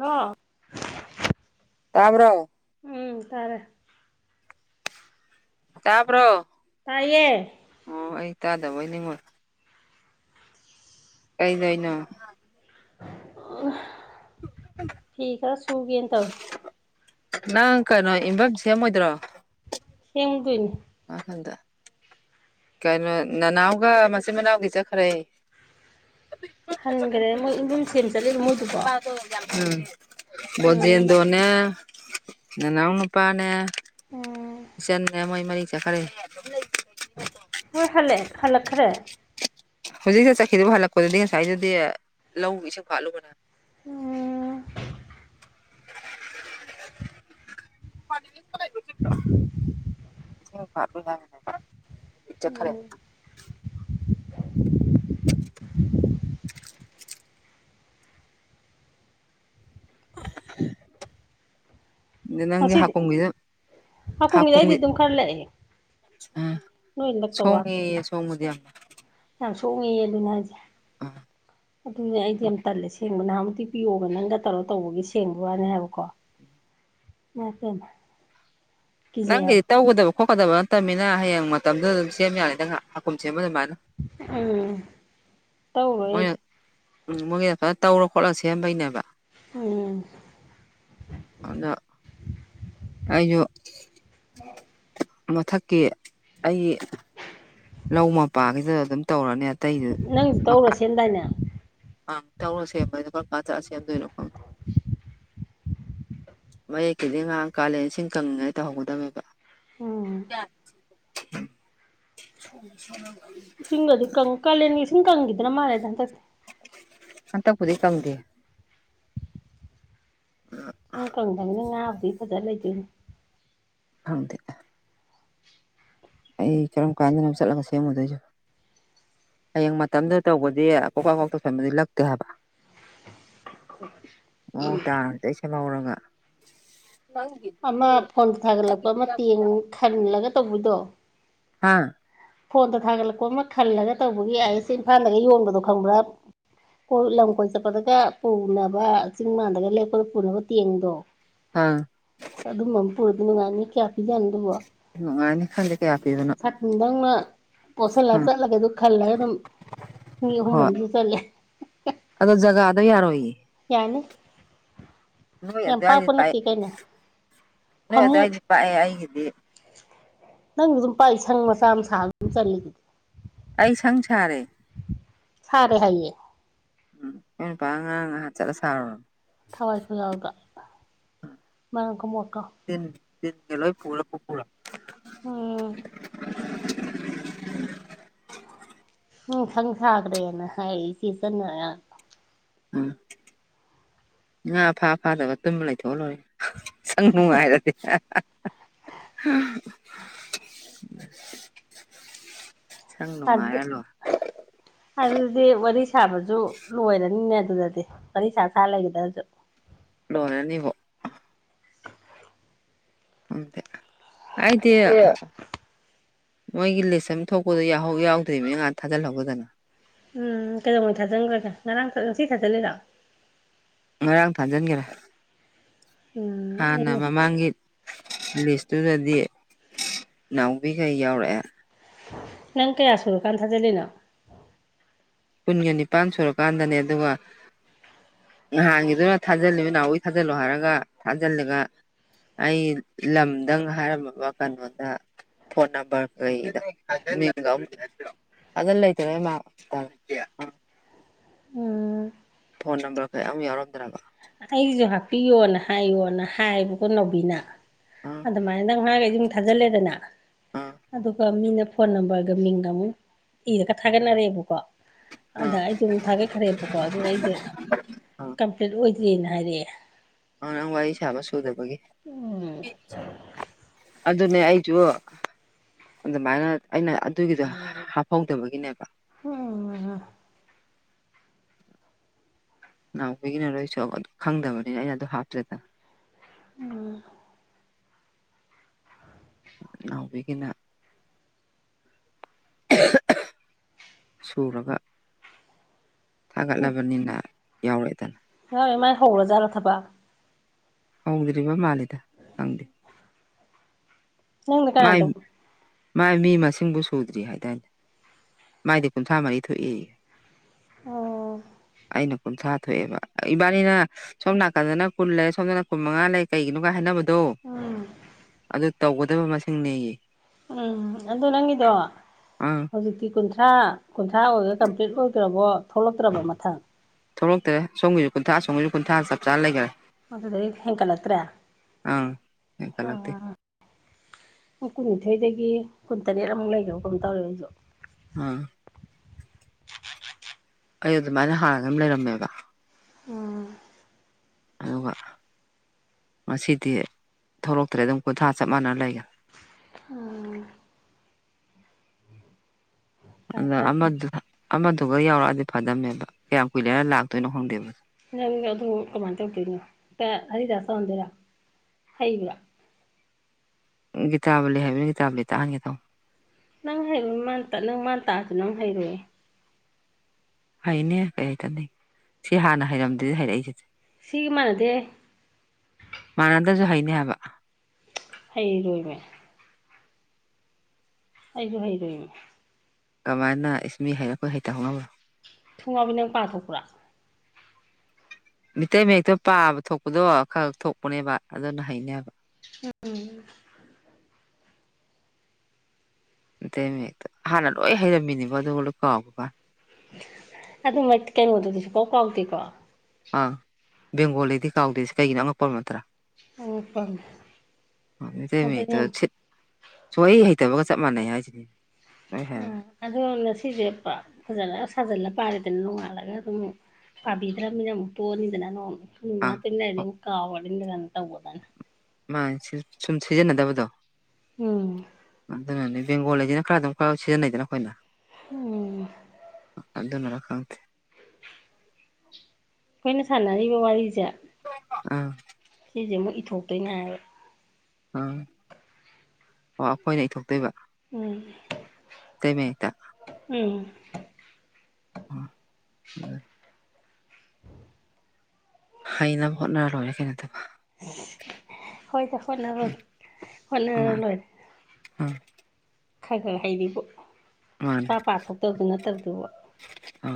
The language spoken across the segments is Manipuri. ꯑ ꯇꯕ꯭ꯔ ꯎꯝ ꯇꯥꯔꯦ ꯀꯞ꯭ꯔꯣ ꯇꯌꯦ ꯑꯣ ꯑꯩ ꯇꯥꯗꯕꯣꯏ ꯅꯤꯉꯣ ꯀꯩ ꯂꯩꯥꯏꯅ ꯐꯤ ꯈꯔ ꯁꯨꯒꯦꯅ ꯇꯧ ꯅꯪ ꯀꯩꯅꯣ ꯏꯐꯝꯝ ꯁꯦꯝꯃꯣꯏꯗ꯭ꯔꯣ ꯁꯦꯝꯦꯡꯒꯅꯤ ꯑꯍꯟꯗ ꯀꯩꯅꯣ ꯅꯅꯥꯎꯒ ꯃꯆꯤꯟ ꯃꯅꯥꯎꯒꯤꯁꯦ ꯈꯔ ꯍꯟꯈ꯭ꯔꯦ ꯃꯣꯏ ꯌꯝ ꯁꯦꯝ ꯆꯠꯂꯤꯔꯣ ꯃꯣꯏꯗꯨꯕꯣ ꯎꯝ ꯎꯝ ꯕꯣꯖꯦꯟꯗꯣꯅꯦ ꯅꯅꯥꯎ ꯅꯨꯄꯥꯅꯦ ꯎꯝ ꯏꯁꯟꯅꯦꯃ ꯃꯥꯔꯤ ꯆꯈꯔꯦ ꯍꯣꯏ ꯍꯜꯂꯛꯦ ꯍꯜꯂꯛꯈ꯭ꯔꯦ ꯍꯧꯖꯤꯛꯁꯤ ꯆꯠꯈꯤꯗ ꯍꯜꯂꯛꯄꯗꯗꯤ ꯉꯁꯥꯏꯗꯨꯗꯤ ꯂꯧ ꯏꯁꯤꯡ ꯍꯥꯠꯂꯨꯕꯅ ꯑꯣ ꯐꯥ ꯆꯠꯈ꯭ꯔꯦ ꯎꯝ ꯅꯪꯦ ꯍꯥꯀꯗ ꯍꯥ ꯀꯨꯝ ꯌꯥꯏꯗꯤ ꯑꯗꯨꯝ ꯈꯔꯂꯑꯦ ꯑ ꯁꯣꯉꯤ ꯁꯣꯡꯉꯨꯗꯤꯃ ꯌꯥꯝ ꯁꯣꯛꯉꯤꯦ ꯑꯗꯨꯅ ꯍꯥꯏꯁꯦ ꯑ ꯑꯗꯨꯅꯦ ꯑꯩꯗꯤ ꯌꯥꯝ ꯇꯜꯂꯦ ꯁꯦꯡꯕ ꯅꯍꯥꯟꯃꯨꯛꯇꯤ ꯄꯤꯌꯣꯒ ꯅꯪꯒ ꯇꯧꯔꯒ ꯇꯧꯕꯒꯤ ꯁꯦꯡꯕ ꯋꯥꯅꯤ ꯍꯥꯏꯕꯀꯣ ꯀꯩ ꯅꯪꯒꯤꯗꯤ ꯇꯧꯒꯗꯕ ꯈꯣꯠꯀꯗꯕ ꯅꯠꯇꯅꯤꯅ ꯍꯌꯦꯡ ꯃꯇꯝꯗꯨꯗ ꯑꯗꯨꯝ ꯁꯦꯝ ꯌꯥꯅꯤ ꯅꯪꯍꯥꯛ ꯑꯈꯨꯝ ꯁꯦꯝꯕ ꯑꯗꯨꯃꯥꯏꯅ ꯎꯝ ꯇꯧꯕ ꯍꯥꯏꯗꯤ ꯃꯣꯏꯅ ꯎꯝ ꯃꯣꯏꯒꯤꯗ ꯐꯖ ꯇꯧꯔ ꯈꯣꯠꯂ ꯁꯦꯝꯕꯩꯅꯦꯕ ꯑ ꯑꯗ ꯑꯣ ꯃꯊꯛꯀꯤ ꯑꯩ ꯂꯧ ꯃꯄꯥꯒꯤꯁꯤꯗ ꯑꯗꯨꯝ ꯇꯧꯔꯅꯤ ꯑꯇꯩꯗꯨ ꯅꯪ ꯇꯧꯔꯣꯁꯦꯟꯗꯥꯏꯅꯦ ꯑ ꯇꯎꯅ ꯁꯦ ꯀ ꯀꯖ ꯑꯁꯤꯁꯦ ꯌꯥꯝꯗ ꯏꯔꯀꯝ ꯑ ꯃꯌꯦꯛꯀꯤꯗꯤ ꯉꯥꯏꯍꯥꯛ ꯀꯥꯂꯦꯟ ꯏꯁꯤꯡ ꯀꯪꯉꯥꯏ ꯇꯧꯍꯧꯒꯗꯕꯅꯦꯕ ꯎꯝ ꯁꯂ ꯀꯥꯂꯦꯟꯒꯤ ꯏꯁꯤꯡ ꯀꯪꯈꯤꯗꯅꯥ ꯃꯥꯂꯦꯗ ꯑ ꯇ ꯄꯨꯗꯤ ꯀꯪꯗꯦ ꯑ ꯏꯨꯡ ꯀꯪꯗꯕꯅꯤꯅ ꯉꯥꯕꯨꯗꯤ ꯐꯖꯅ ꯂꯩꯗꯣꯏꯅꯤ ꯍꯪꯗ ꯑꯩ ꯀꯔꯝ ꯀꯥꯟꯗꯅ ꯆꯠꯂꯒ ꯁꯦꯝꯃꯨꯗꯣꯏꯁꯨ ꯍꯌꯦꯡ ꯃꯇꯝꯗꯨ ꯇꯧꯕꯗꯤ ꯀꯀꯥꯛ ꯀꯣꯛꯇꯧ ꯁꯕꯗꯤ ꯂꯛꯇꯦ ꯍꯥꯏꯕ ꯅ ꯇꯥ ꯁ ꯂꯥꯎꯔꯉ ꯑꯃ ꯐꯣꯟꯗ ꯅꯪꯒꯤ ꯊꯥꯒꯠꯂꯛꯄ ꯑꯃ ꯍꯤꯟꯖꯥꯡ ꯇꯦꯡ ꯈꯜꯂꯒ ꯇꯧꯕꯗꯣ ꯍꯥꯥ ꯐꯣꯟꯗ ꯊꯥꯒꯠꯂꯛꯄ ꯑꯃ ꯈꯜꯂꯒ ꯇꯧꯕꯒꯤ ꯑꯩꯁꯦ ꯏꯝꯐꯥꯜꯂꯒ ꯌꯣꯟꯕꯗꯣ ꯈꯪꯕ꯭ꯔꯥ ꯀꯣꯏ ꯂꯝ ꯀꯣꯏ ꯆꯠꯄꯗꯒ ꯄꯨꯅꯕ ꯆꯤꯡ ꯃꯥꯟꯗꯒ ꯂꯦꯛꯞꯄꯗ ꯄꯨꯅꯕ ꯇꯦꯡꯗꯣ [unintelligible] ꯑꯥ ꯑꯁ ꯑꯗꯨ ꯃꯝꯄꯨꯔꯗ ꯅꯨꯡꯉꯅꯤ ꯀꯌꯥ ꯄꯤ ꯌꯥꯅꯤ ꯅꯨꯡꯉꯥꯏꯅꯤ ꯈꯜꯗꯦ ꯀꯌꯥ ꯄꯤꯕꯅꯣ ꯅꯪꯅ ꯄꯣꯠꯁꯤꯜꯂ ꯑꯪ ꯆꯠꯂꯒ ꯑꯗꯨ ꯈꯜꯂꯒ ꯑꯗꯨꯝ ꯃꯤ ꯑꯍꯨꯝ ꯍꯣꯏ ꯃꯔꯤꯗꯨ ꯆꯠꯂꯦ ꯑꯗꯣ ꯖꯒꯥꯗꯣ ꯌꯥꯔꯣꯏꯌꯦ ꯌꯥꯅꯤ ꯅꯣꯏ ꯌꯥꯝ ꯄꯥꯛꯄ ꯑꯗꯨꯋꯥꯏꯗꯤ ꯄꯥꯛꯑꯦ ꯅꯠꯇꯦ ꯀꯩꯅꯣ ꯅꯣꯏ ꯐꯃꯨꯡ ꯑꯗꯨꯋꯥꯏꯗꯤ ꯄꯥꯛꯑꯦ ꯑꯩꯒꯤꯗꯤ ꯅꯪꯁꯨ ꯑꯗꯨꯝ ꯄꯥꯛ ꯁꯪ ꯃꯆꯥ ꯃ ꯁꯥꯗꯨ ꯑꯗꯨꯝ ꯆꯗꯤ ꯑꯩ ꯁꯪ ꯁꯥꯔꯦ ꯁꯔꯦ ꯍꯥꯏꯌꯦ ꯎꯝ ꯑꯩꯏ ꯅꯨ ꯄ ꯉꯔꯥꯡ ꯉ ꯍꯥ ꯆꯠꯂ ꯁꯥꯔꯨꯔꯣ ꯊꯋꯥꯏ ꯈꯨ ꯌꯥꯎꯕ ꯃꯥꯔꯝ ꯀꯨꯝꯃꯣꯛ ꯇꯤꯟ ꯇꯤꯟꯒꯦ ꯄꯨꯔꯥ ꯄꯥ ꯎꯝ ꯎꯝ ꯁꯪ ꯁꯥꯈ꯭ꯔꯦꯅ ꯍꯥꯏꯔꯛ ꯏꯆꯦ ꯆꯅ ꯎꯝ ꯉꯥ ꯐꯥ ꯐꯥꯗꯕ ꯇꯨꯝꯕ ꯂꯩꯊꯣꯛꯍ ꯂꯣꯏꯔꯦ ꯁꯪ ꯅꯨꯡꯉꯥꯏꯔꯗꯤ ꯁꯪ ꯑꯗꯨ ꯅꯉꯂꯣ ꯑꯗꯨꯗꯤ ꯋꯥꯔꯤ ꯁꯥꯕꯁꯨ ꯂꯣꯏꯔꯅꯤꯅꯦ ꯑꯗꯨꯗꯗꯤ ꯋꯥꯔꯤ ꯁꯥ ꯁꯥ ꯂꯩꯒꯗ꯭ꯔꯁꯨ ꯂꯔꯅꯤꯕꯣ ꯎꯗ ꯍꯥꯏꯥꯏꯗꯤ ꯃꯣꯏꯒꯤ ꯂꯤꯁ ꯑꯃ ꯊꯣꯛꯄꯗꯣ ꯌꯥꯎꯗ꯭ꯔꯤꯕꯅꯦ ꯉꯍꯥꯛ ꯊꯥꯖꯤꯜꯍꯧꯒꯗꯅ ꯎꯝ ꯀꯩꯗꯧꯉꯩ ꯊꯥꯖꯤꯟꯈ꯭ꯔꯒꯦ ꯉꯔꯥꯡ ꯉꯁꯤ ꯊꯥꯖꯤꯜꯂꯤꯔꯣ ꯉꯔꯥꯡ ꯊꯥꯖꯤꯟꯒꯦꯔꯥ ꯎꯝ ꯍꯥꯟꯅ ꯑꯩ ꯃꯃꯥꯡꯒꯤ ꯃꯤꯕꯤꯁ ꯇꯨ ꯅꯗꯤꯌꯦ ꯏꯅꯥꯎꯕꯤꯈꯩ ꯌꯥꯎꯔꯛꯑꯦ ꯅꯪ ꯀꯌꯥ ꯁꯨꯔ ꯀꯥꯟ ꯊꯖ ꯂꯩꯅꯣ ꯀꯨꯟꯒ ꯅꯤꯄꯥꯟ ꯁꯨꯔꯀꯥꯟꯗꯅꯦ ꯑꯗꯨꯒ ꯅꯍꯥꯟꯒꯤꯗꯨꯅ ꯊꯥꯖꯤꯜꯂꯤꯕ ꯅꯍꯋꯥꯩ ꯊꯥꯖꯤꯜꯂꯣ ꯍꯥꯏꯔꯒ ꯊꯥꯖꯤꯜꯂꯒ ꯑꯩ ꯂꯝꯗꯪ ꯍꯥꯏꯔꯝꯃꯕ ꯀꯩꯅꯣꯗ ꯐꯣꯟ ꯅꯝꯕꯔ ꯀꯩꯗ ꯑꯗꯨ ꯂꯩꯇꯅ [unintelligible] ꯎꯝ ꯐꯣꯟ ꯅꯝꯕꯔ ꯀꯌꯥ ꯑꯃꯨꯛ ꯌꯥꯎꯔꯝꯗ꯭ꯔꯕ ꯑꯩꯁꯨ ꯍꯥꯄꯤꯌꯣꯅ ꯍꯥꯏꯌꯣꯅ ꯍꯥꯏꯕꯀꯣ ꯅꯥꯎꯕꯤꯅ ꯑꯥ ꯑꯗꯨꯃꯥꯏꯅ ꯅꯪ ꯍꯥꯏꯔꯒ ꯑꯩ ꯁꯨꯝ ꯊꯥꯖꯤꯜꯂꯦꯗꯅ ꯑꯥ ꯑꯗꯨꯒ ꯃꯤꯅ ꯐꯣꯟ ꯅꯝꯕꯔꯒ ꯃꯤꯡꯒ ꯑꯃꯨꯛ ꯏꯔꯒ ꯊꯥꯒꯠꯅꯔꯦꯕꯀꯣ ꯑꯗ ꯑꯥ ꯑꯩꯁꯨ ꯑꯃꯨꯛ ꯊꯥꯒꯠꯈ꯭ꯔꯦꯕꯀꯣ ꯑꯗꯨ ꯑꯩꯗꯣ ꯑꯥ ꯀꯝꯄ꯭ꯂꯤꯠ ꯑꯣꯏ ꯁꯤꯅ ꯍꯥꯏꯔꯛꯑꯦ ꯑꯗꯨ ꯅꯪ ꯋꯥꯔꯤ ꯁꯥꯕ ꯁꯨꯗꯕꯒꯤ ꯎꯝ ꯑꯗꯨꯅꯦ ꯑꯩꯁꯨ ꯑꯗꯨꯃꯥꯏꯅ ꯑꯩꯅ ꯑꯗꯨꯒꯤꯗꯣ ꯍꯥꯞꯍꯧꯗꯕꯒꯤꯅꯦꯕ ꯎꯝ ꯅꯍꯎꯧꯕꯄꯤꯒꯤꯅꯔꯣꯏꯁꯨ ꯈꯪꯗꯕꯅꯤꯅ ꯑꯩꯅ ꯑꯗꯨꯣ ꯍꯥꯞꯇ꯭ꯔꯦꯗꯅ ꯎꯝ ꯎꯕꯤꯒꯅ ꯁꯨꯔꯒ ꯊꯥꯒꯠꯂꯕꯅꯤꯅ ꯌꯥꯎꯔꯛꯑꯏꯗꯅ ꯌꯥꯋꯦ ꯃꯥꯏ ꯍꯧꯔ ꯖꯠꯂ ꯊꯕꯛ ꯍꯧꯗ꯭ꯔꯤꯕ ꯃꯥꯜꯂꯤꯦꯗ ꯈꯪꯗꯦ ꯅꯪꯅ ꯃꯥꯏ ꯀꯗꯕꯨ ꯃꯥꯏ ꯃꯤ ꯃꯁꯤꯡꯕꯨ ꯁꯨꯗ꯭ꯔꯤ ꯍꯥꯏꯗꯥꯅꯦ ꯃꯥꯏꯗꯤ ꯀꯨꯟꯊ꯭ꯔꯥ ꯃꯔꯤ ꯊꯣꯛꯏ ꯑꯣ ꯑꯩꯅ ꯀꯨꯟꯊ꯭ꯔꯥ ꯊꯣꯛꯑꯦꯕ ꯏꯕꯥꯅꯤꯅ ꯁꯣꯝ ꯅꯥꯀꯟꯗꯅ ꯀꯨꯟ ꯂꯩ ꯁꯣꯝꯗ ꯅꯥꯀꯨꯟ ꯃꯉꯥ ꯂꯩ ꯀꯩꯒꯤꯅꯣꯒ ꯍꯥꯏꯅꯕꯗ ꯑꯗꯣ ꯎꯝ ꯑꯗꯨ ꯇꯧꯒꯗꯕ ꯃꯁꯤꯡꯅꯦꯌꯦ ꯎꯝ ꯑꯗꯨꯗꯣ ꯅꯪꯗꯣ ꯑꯪ ꯍꯧꯖꯤꯛꯀꯤꯤ ꯀꯨꯟ ꯀꯨꯟꯊ꯭ꯔꯥ ꯀꯨꯟꯊ꯭ꯔꯥ ꯑꯣꯏꯗ ꯀꯝꯄ꯭ꯂꯤꯠ ꯑꯣꯏꯗ꯭ꯔꯕꯣ ꯊꯣꯛꯂꯛꯇ꯭ꯔꯕ ꯃꯊꯪ ꯊꯣꯛꯂꯛꯇꯗ ꯁꯣꯝꯒꯤꯁꯨ ꯀꯨꯟꯊꯥ ꯁꯣꯒꯤ ꯀꯨꯟ꯭ꯔꯥ ꯆꯞ ꯆꯥ ꯂꯩꯈꯔꯦ ꯑꯗꯨꯗꯩ ꯍꯦꯟꯒꯠꯂꯛꯇ꯭ꯔꯦ ꯑꯪ ꯑꯣ ꯍꯦꯟꯀꯠꯂꯛꯇꯦ ꯀꯨꯟꯅꯤꯊꯣꯏꯗꯒꯤ ꯀꯨꯟꯇꯔꯦꯠ ꯑꯃꯨꯛ ꯂꯩꯈꯦꯕ ꯀꯩꯅꯝ ꯇꯧꯔꯦ ꯑꯩꯁꯨ ꯎꯝ ꯑꯩ ꯑꯗꯨꯃꯥꯏꯅ ꯍꯥꯟꯅ ꯑꯃ ꯂꯩꯔꯝꯃꯦꯕ ꯎꯝ ꯑꯗꯨꯒ ꯉꯁꯤꯗꯤ ꯊꯣꯛꯂꯛꯇ꯭ꯔꯦ ꯑꯗꯨꯝ ꯀꯨꯟꯊ꯭ꯔꯥ ꯆꯞ ꯃꯥꯟꯅꯅ ꯂꯩꯒꯅꯤ ꯎꯝ ꯐꯔꯦ ꯑꯗ ꯐꯔꯦ ꯑꯃꯗꯨ ꯑꯃꯗꯨꯒ ꯌꯥꯎꯔꯛꯑꯗꯤ ꯐꯥꯗꯝꯝꯃꯦꯕ ꯀꯌꯥꯝ ꯀꯨꯏꯂꯦꯔ ꯂꯥꯛꯇꯣꯏꯅꯣ ꯍꯪꯗꯦꯕꯦ ꯅꯪ ꯑꯗꯨ ꯀꯃꯥꯏꯅ ꯇꯧꯗꯣꯏꯅꯣꯦꯛꯇ ꯍꯔꯤꯗꯥꯁ ꯇꯧꯍꯟꯗꯣꯏꯔꯥ ꯍꯩꯕ꯭ꯔꯥ ꯒꯤꯇꯥꯕ ꯂꯩ ꯍꯥꯏꯕꯅꯤꯅ ꯒꯤꯇꯥꯕ ꯂꯤ ꯂꯩ ꯇꯥꯛꯍꯒꯦ ꯇꯧꯣ ꯅꯪ ꯍꯔ ꯅꯪ ꯃꯥꯟ ꯇꯥꯑꯁꯨ ꯅꯪ ꯍꯩꯔꯣꯏꯑꯦ ꯍꯩꯅꯦ ꯀꯔꯤ ꯍꯥꯏꯇꯅꯤ ꯁꯤ ꯍꯥꯟꯅ ꯍꯩꯔꯝꯗꯗꯤ ꯍꯥꯏꯩꯔꯛꯏꯁꯦꯁꯦ ꯁꯤꯒ ꯃꯥꯟꯅꯗꯦ ꯃꯥꯟꯅꯗꯁꯨ ꯍꯩꯅꯤ ꯍꯥꯏꯕ ꯍꯩꯔꯣꯏꯃꯦ ꯑꯩꯕꯨ ꯍꯩꯔ ꯀꯃꯥꯏꯅ ꯏꯁꯃꯤ ꯍꯩ ꯑꯩꯈꯣꯏ ꯍꯩꯇꯍꯧꯅꯕ꯭ꯔꯣ ꯊꯨꯡꯉꯕꯩ ꯅꯪ ꯇꯣꯛ ꯈ ꯃꯤꯇꯩ ꯃꯌꯦꯛꯇꯣ ꯄꯥꯕ ꯊꯣꯛꯄꯗꯣ ꯈꯔ ꯊꯣꯛꯄꯅꯦꯕ ꯑꯗꯨꯅ ꯍꯩꯅꯦꯕ ꯎꯝ ꯑꯇꯩ ꯃꯌꯦꯛꯇꯣ ꯍꯥꯟꯅ ꯂꯣꯏ ꯍꯩꯔꯝꯃꯤꯅꯦꯕ ꯑꯗꯨꯒ ꯂꯣꯏ ꯀꯥꯎꯕꯀ ꯑꯗꯨꯃꯛ ꯀꯩꯅꯣꯗꯨꯗꯤꯁꯨꯨ ꯀꯥꯎ ꯀꯥꯎꯗꯦꯀꯣ ꯑꯪ ꯕꯦꯡꯒꯣꯜꯗꯤ ꯀꯥꯎꯗꯦꯁꯦ ꯀꯩꯒꯤꯅꯣ ꯑꯉꯛꯄ ꯅꯠꯇ꯭ꯔꯥ ꯑꯃꯗ ꯃꯤꯠ ꯑꯗꯨꯅ ꯌꯥꯝ ꯁꯣꯏ ꯑꯩ ꯍꯩꯇꯕꯒ ꯆꯞ ꯃꯥꯟꯅꯩ ꯍꯥꯏꯁꯤꯅꯦ ꯑꯥ ꯑꯗꯣ ꯉꯁꯤꯁꯦ ꯐꯖꯅ ꯁꯥꯖꯜꯂ ꯄꯥꯔꯤꯗꯅ ꯅꯣꯡꯉꯥꯜꯂꯒ ꯑꯗꯨꯝ ꯄꯥꯕꯤꯗ꯭ꯔꯃꯤꯛꯇꯅꯤꯗꯅꯅ ꯑꯥ ꯃꯥ ꯇ ꯍꯥꯏ ꯀꯋꯥꯅ ꯇꯧꯧꯕꯗꯅꯤ ꯃꯥ ꯁꯨꯝ ꯁꯤꯖꯤꯟꯅꯗꯕꯗꯣ ꯎꯝ ꯑꯗꯨꯅꯅꯦ ꯕꯦꯡꯒꯣꯜ ꯂꯩꯁꯤꯅ ꯈꯔ ꯑꯗꯨꯝ ꯈꯔ ꯁꯤꯖꯤꯟꯅꯩꯗꯅ ꯑꯩꯈꯣꯏꯅ ꯎꯝ ꯗ ꯅꯅꯥ ꯈ ꯑꯩꯈꯣꯏꯅ ꯁꯥꯟꯅꯔꯤꯕ ꯋꯥꯔꯤꯁꯦ ꯑꯝ ꯁꯤꯁꯦ ꯑꯃꯨꯛ ꯏꯊꯣꯛꯇꯣꯏꯅꯦ ꯍꯥꯏꯕ ꯎꯝ ꯑꯣ ꯑꯩꯈꯣꯏꯅ ꯏꯊꯣꯛꯇꯣꯏꯕ ꯎꯝ ꯃꯦꯇ ꯎꯝ ꯑ ꯎ ꯍꯩꯅꯅꯕ ꯍꯣꯠꯅꯔ ꯂꯣꯏꯔꯦ ꯀꯩꯅꯣꯗꯕ ꯎꯝ ꯍꯣꯏꯗ ꯍꯣꯅꯔ ꯎꯝ ꯍꯣꯅꯔ ꯂꯣꯏ ꯎꯝ ꯈꯔ ꯈꯔ ꯍꯥꯏꯩꯔꯤꯕꯔꯤꯕ ꯃꯥꯅꯦ ꯁꯨꯄꯥ ꯄꯥ ꯊꯣꯛꯇꯕꯗꯨ ꯅꯠꯇꯕꯗꯨꯕꯨ ꯑ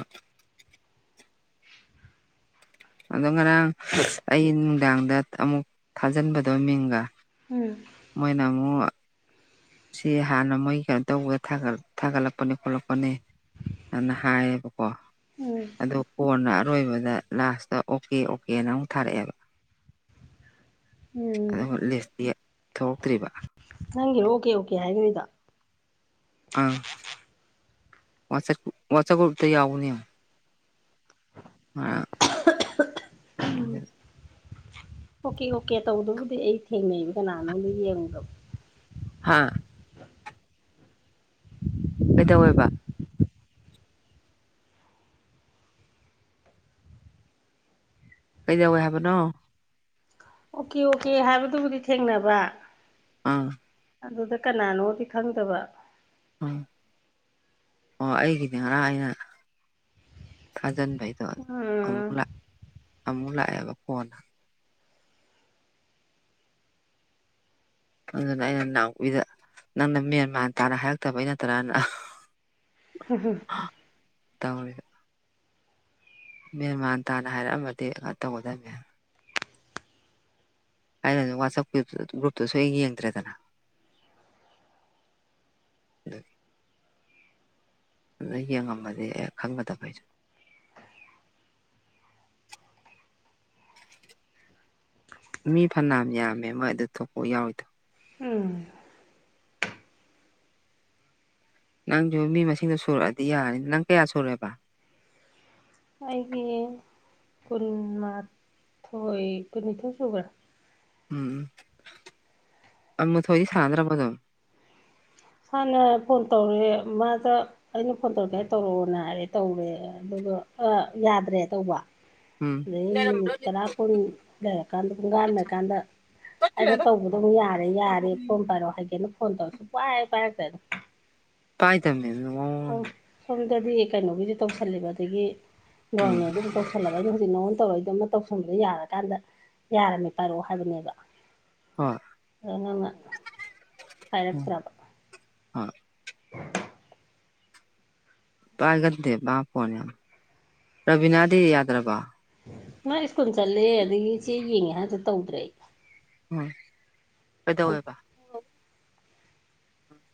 ꯑꯗꯣ ꯉꯔꯥꯡ ꯑꯩ ꯅꯨꯡꯗꯥꯡꯗ ꯑꯃꯨꯛ ꯊꯥꯖꯤꯟꯕꯗꯣ ꯃꯤꯡꯒ ꯎꯝ ꯃꯣꯏꯅꯥ ꯑꯃꯨ ꯁꯤ ꯍꯥꯟꯅ ꯃꯣꯏ ꯀꯩꯅꯣ ꯇꯧꯕꯒ ꯊꯥꯒꯠꯂꯛꯄꯅꯦ ꯈꯣꯠꯂꯛꯄꯅꯦ ꯑꯗꯨꯅ ꯍꯥꯏꯌꯦꯕꯀꯣ ꯎꯝ ꯑꯗꯣ ꯀꯣꯟꯅ ꯑꯔꯣꯏꯕꯗ ꯂꯥꯁꯇ ꯑꯣꯀꯦ ꯑꯣꯀꯦꯅ ꯑꯃꯨꯛ ꯊꯥꯔꯛꯑꯦꯕ [unintelligible] ꯎꯝ ꯑꯗꯨꯝ ꯂꯤꯁꯇꯤ ꯊꯣꯛꯂꯛꯇ꯭ꯔꯤꯕ ꯅꯪꯒꯤꯦꯔꯣ ꯑꯣꯀꯦ ꯑꯣꯀꯦ ꯍꯥꯏꯈꯣꯏꯗ ꯑꯥ ꯋꯥꯁ ꯋꯥꯆꯒꯠꯇ ꯌꯥꯎꯅꯤ ꯌꯥꯝ ꯑ ꯄꯂ ꯑꯣꯀꯦ ꯑꯣꯀꯦ ꯇꯧꯗꯕꯨꯗꯤ ꯑꯩ ꯊꯦꯡꯅꯩꯕ ꯀꯅꯥꯅꯣꯝꯗ ꯌꯦꯡꯉꯨꯗꯕ ꯍꯥꯥ ꯀꯩꯗꯧꯋꯕ ꯀꯩꯗꯧꯋꯦ ꯍꯥꯏꯕꯅꯣ ꯑꯣꯀꯦ ꯑꯣꯀꯦ ꯍꯥꯏꯕꯗꯨꯕꯨꯗꯤ ꯊꯦꯡꯅꯕ ꯑꯥ ꯑꯗꯨꯗ ꯀꯅꯥꯅꯣꯗꯤ ꯈꯪꯗꯕ ꯑꯣꯝ ꯑꯣ ꯑꯩꯒꯤꯗꯤ ꯉꯔꯥꯡ ꯑꯩꯅ ꯊꯥꯖꯟ ꯑꯩꯗꯣ ꯑꯃꯨꯛ ꯎꯝ ꯂ ꯑꯃꯨꯛ ꯂꯥꯛꯑꯦꯕ ꯐꯣꯟꯅ ꯑꯗꯨꯅ ꯑꯩꯅ ꯅꯥꯎꯄꯤꯗ ꯅꯪꯅ ꯃꯦꯟꯃꯥꯟ ꯇꯥꯅ ꯍꯥꯏꯔꯛꯇꯕ ꯑ ꯅ ꯇꯔꯥꯅ ꯍ ꯍꯣ ꯇꯥꯃꯔꯤ ꯃꯦꯦꯟ ꯃꯥꯟ ꯇꯥꯅ ꯍꯥꯏꯔꯛꯑꯃꯗꯤ ꯉꯩꯅ ꯇꯧꯒꯗꯕꯅꯤꯅꯦ ꯍꯥꯏꯅ ꯋꯥꯆꯞ ꯒ꯭ꯔꯨꯞꯇꯨꯁꯨ ꯍ ꯌꯦꯡꯗ꯭ꯔꯦꯗꯅ ꯑꯗꯨ ꯌꯦꯡꯉꯝꯃꯗꯤ ꯑꯦ ꯈꯪꯒꯗꯕꯩꯁꯨ [unintelligible] ꯃꯤ ꯐꯅꯌꯥꯝ ꯌꯥꯝꯃꯦ ꯃꯣꯏ ꯑꯗꯨ ꯊꯣꯛꯄ ꯌꯥꯎꯋꯤꯗꯣ ꯎꯝ ꯅꯪꯁꯨ ꯃꯤ ꯃꯁꯤꯡꯗꯣ ꯁꯨꯔꯛꯑꯗꯤ ꯌꯥꯔꯅꯤ ꯅꯪ ꯀꯌꯥ ꯁꯨꯔꯦꯕ ꯑꯩꯒꯤ ꯀꯨꯟꯃꯥꯊꯣꯏ ꯀꯨꯟꯅꯤꯊꯣꯏ ꯁꯨꯕ꯭ꯔꯥ ꯎꯝ ꯃꯊꯣꯏꯗꯤ ꯁꯥꯟꯅꯗ꯭ꯔ ꯃ ꯑꯗꯨꯝ ꯁꯥꯅ ꯐꯣꯟ ꯇꯧꯔꯛꯑꯦ ꯃꯥꯗ ꯑꯩꯅ ꯐꯣꯟ ꯇꯧꯔꯛꯀꯦ ꯇꯧꯔꯛꯑꯣ ꯔꯦ ꯇꯧꯔꯦ ꯑꯗꯨꯗꯣ ꯌꯥꯗ꯭ꯔꯦ ꯇꯧꯕ ꯎꯝ ꯑꯗꯩ ꯃꯤꯅꯤꯠ ꯇꯔꯥ ꯀꯣ ꯂꯩꯔꯀꯥꯟꯗ ꯄꯨꯡꯒꯥꯟꯝꯃꯦ ꯀꯥꯟꯗ ꯑꯩꯅ ꯇꯧꯕꯗꯣꯨ ꯌꯥꯔꯦ ꯌꯥꯔꯦ ꯐꯝ ꯄꯥꯏꯔꯛ ꯍꯥꯏꯒꯦꯅ ꯐꯣꯟ ꯇꯧꯔꯁꯨ ꯄꯥꯏꯦ ꯄꯥꯏꯔꯛꯇꯣꯏꯅ ꯄꯥꯏ ꯇꯝꯃꯦ ꯑꯗꯨ ꯁꯣꯝꯗꯗꯤ ꯀꯩꯅꯣꯒꯤꯗꯤ ꯇꯧꯁꯜꯂꯦꯕ ꯑꯗꯒꯤ ꯎꯝ ꯒꯣꯔꯃꯦꯟꯗꯨꯝ ꯇꯧꯁꯜ ꯇꯧꯁꯜꯂꯕ ꯑꯩꯅ ꯍꯧꯖꯤꯛ ꯅꯉꯣꯟ ꯇꯧꯔꯛꯏꯗꯣꯝꯃ ꯇꯧꯁꯟꯕꯗ ꯌꯥꯔꯀꯥꯟꯗ ꯌꯥꯔꯝꯃꯦ ꯄꯥꯏꯔꯛꯑꯣ ꯍꯥꯏꯕꯅꯦꯕ ꯍꯣꯏ ꯑꯗꯣ ꯅꯪꯅ ꯎꯝ ꯄꯥꯏꯔꯛꯇ꯭ꯔꯕ ꯍꯣꯏ ꯄꯥꯏꯒꯗꯦ ꯃꯥ ꯐꯣꯟꯅꯦ ꯌꯥꯝ ꯔꯕꯤꯅꯥꯗꯤ ꯌꯥꯗ꯭ꯔꯕ ꯅꯪ ꯁ꯭ꯀꯨꯜ ꯆꯠꯂꯦ ꯑꯗꯒꯤ ꯆꯦ ꯌꯦꯡꯉꯦ ꯍꯥꯏꯥꯟꯁꯨ ꯇꯧꯗ꯭ꯔꯦ ꯑꯩ ꯎꯝ ꯀꯩꯗꯧꯋꯦꯕ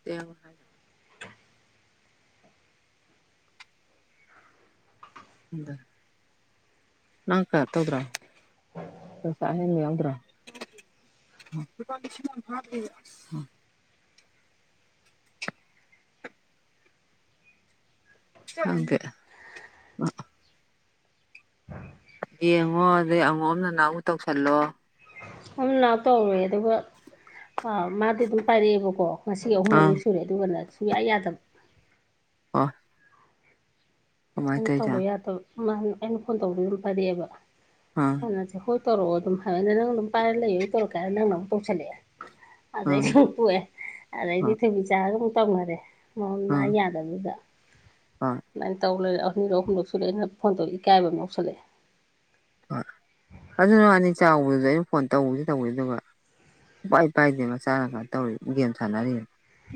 ꯍꯥꯏ ꯎꯗ ꯅꯪꯀ ꯇꯧꯕ꯭ꯔꯣ ꯄꯁ ꯍꯦꯟꯕ ꯌꯥꯎꯗ꯭ꯔꯣ ꯍꯗꯦ ꯌꯦꯡꯉꯣ ꯑꯗꯩ ꯑꯉꯣꯝ ꯅꯅꯥꯎꯗ ꯇꯧꯁꯜꯂꯣ ꯅꯥꯎ ꯇꯧꯔꯦ ꯑꯗꯨꯒ ꯑ ꯃꯥꯗꯤ ꯑꯗꯨꯝ ꯄꯥꯏꯔꯛꯑꯦꯕꯀꯣ ꯉꯁꯤꯒꯤ ꯑꯍꯨꯝ ꯑꯥ ꯃꯔꯤꯔꯛ ꯁꯨꯔꯦ ꯑꯗꯨꯒꯅꯦ ꯁꯨꯌꯥ ꯌꯥꯗꯕ ꯑꯣ ꯑꯩꯅ ꯇꯧꯕ ꯌꯥꯗꯕ ꯃꯥꯅ ꯑꯩꯅ ꯐꯣꯟ ꯇꯧꯕꯗ ꯑꯗꯨꯝ ꯄꯥꯏꯔꯛꯑꯦꯕ ꯎꯝ ꯍꯣꯏ ꯇꯧꯔꯛꯑꯣ ꯑꯗꯨꯝ ꯍꯥꯏ ꯑꯩꯅ ꯅꯪ ꯑꯗꯨꯝ ꯄꯥꯏꯔ ꯂꯩꯌꯨ ꯑꯩ ꯇꯧꯔꯛꯀꯦ ꯀꯥꯏꯔꯦ ꯅꯪꯅ ꯑꯃꯨꯛ ꯇꯧꯁꯜꯂꯛꯑꯦ ꯑꯗꯩ ꯑꯥ ꯁꯨꯝ ꯇꯣꯛꯑꯦ ꯑꯗꯩꯗꯤ ꯍꯣꯏ ꯊꯣꯏꯕꯤꯆꯥꯥꯒꯃꯨꯛ ꯇꯧꯅꯔꯦ ꯃꯣꯟ ꯃꯥ ꯌꯥ [unintelligible] ꯑꯥ ꯑꯃꯥꯏ ꯇꯧꯔ ꯑꯅꯤꯔꯛ ꯑꯍꯨꯝꯂꯛ ꯁꯨꯔꯦ ꯑꯩꯅ ꯐꯣꯟ ꯇꯧꯕ ꯏꯀꯥꯏꯕ ꯑꯃ ꯌꯥꯎꯁꯟꯂꯛꯑꯦ ꯍꯣꯏ ꯑꯗꯨꯅꯦ ꯃꯥꯅꯤ ꯆꯥꯎꯕꯗꯨ ꯑꯩꯅ ꯐꯣꯟ ꯇꯧꯕꯁꯤ ꯇꯧꯕꯁꯤ ꯑꯗꯨꯒ ꯁꯨꯡꯄꯥꯏ ꯄꯥꯏꯗꯦ ꯃꯆꯥꯅꯨꯄꯥ ꯇꯧꯔꯤ ꯒꯦꯝ ꯁꯥꯟꯅꯔꯤ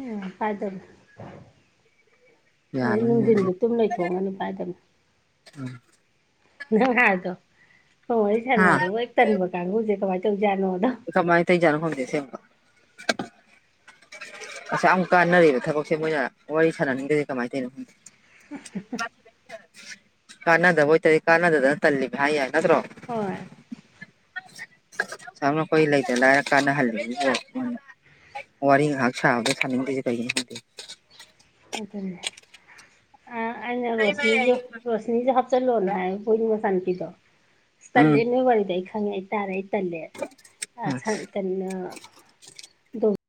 ꯎꯝ ꯄꯥꯏꯗꯕꯅꯦ ꯑꯗꯩ ꯌꯥꯜꯂꯅꯤ ꯅꯨꯡꯊꯤꯟꯁꯨ ꯇꯨꯝ ꯂꯩꯊꯣꯛꯑꯝꯒꯅꯤ ꯄꯥꯏꯗꯕꯅꯦ ꯅꯪ ꯍꯥꯏꯕꯗꯣ ꯐꯣꯟ ꯋꯥꯔꯤ ꯍꯥ ꯁꯥꯟꯅꯕꯕꯧ ꯍꯦꯛ ꯇꯟꯕ ꯀꯥꯡꯒꯨꯁꯦ ꯀꯃꯥꯏ ꯇꯧꯏꯖꯥꯠꯅꯣ ꯑꯗꯣ ꯀꯃꯥꯏ ꯇꯧꯏꯖꯤꯠꯅꯣ ꯈꯪꯗꯦ ꯑꯁꯦꯡꯕ ꯑꯁꯌꯥꯝ ꯀꯥꯟꯅꯔꯤꯕ ꯊꯕꯛꯁꯦ ꯃꯣꯏꯅ ꯋꯥꯔꯤ ꯁꯥꯟꯅꯅꯤꯡꯗ꯭ꯔꯤꯁꯦ ꯀꯃꯥꯏꯅ ꯇꯧꯏꯅꯣ ꯈꯪꯗꯦ ꯀꯥꯟꯅꯗꯕ ꯑꯣꯏꯇꯥꯗꯤ ꯀꯥꯟꯅꯗꯗꯅ ꯇꯜꯂꯤꯕ ꯍꯥꯏ ꯌꯥꯏ ꯅꯠꯇ꯭ꯔꯣ ꯍꯣꯏ ꯑꯁꯥꯝꯅ ꯑꯩꯈꯣꯏ ꯂꯩꯇ ꯂꯥꯏꯔ ꯀꯥꯟꯅꯍꯜꯂꯤꯁꯤꯕꯨ ꯃꯣꯏꯅ ꯋꯥꯔꯤ ꯉꯍꯥꯛ ꯁꯥꯥꯕꯗ ꯁꯥꯟꯅꯤꯡꯗ꯭ꯔꯤꯁꯦ ꯀꯩꯒꯤꯅꯣ ꯈꯪꯗꯦ ꯑꯗꯨꯅꯦ ꯑ ꯑꯩꯅ ꯔꯣꯁꯅꯤꯁꯨ ꯔꯣꯁ ꯅꯤꯁꯨ ꯍꯥꯞꯆꯜꯂꯣꯅ ꯍꯥꯏ ꯕꯣꯏꯒꯤ ꯃꯆꯥ ꯅꯨꯄꯤꯗꯣ ꯑꯁ ꯎꯝ ꯇꯜꯂꯦ ꯅꯣꯏꯒꯤ ꯋꯥꯔꯤꯗꯣ ꯑꯩ ꯈꯪ ꯈꯪꯉꯦ ꯑꯩꯇꯥꯥꯔꯦ ꯑꯩ ꯇꯜꯂꯦ ꯍꯣꯏ. ꯑꯁꯥ ꯀꯟꯅ ꯗꯣ